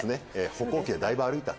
「歩行器でだいぶ歩いた」